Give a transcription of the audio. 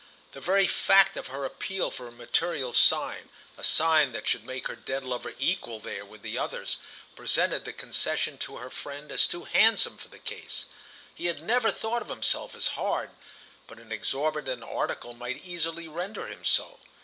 The very fact of her appeal for a material sign, a sign that should make her dead lover equal there with the others, presented the concession to her friend as too handsome for the case. He had never thought of himself as hard, but an exorbitant article might easily render him so.